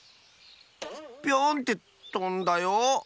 ピョン！ってとんだよ。